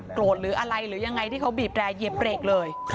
หรืออะไรหรือยังไงที่เขาบีบแรร์เหยียบเบรกเลย